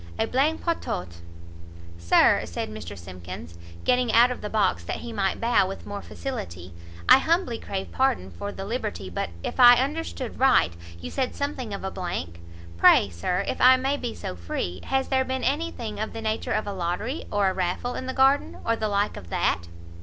a blank partout!" "Sir," said Mr Simkins, getting out of the box that he might bow with more facility, "I humbly crave pardon for the liberty, but if I understood right, you said something of a blank? pray, Sir, if I may be so free, has there been any thing of the nature of a lottery, or a raffle, in the garden? or the like of that?"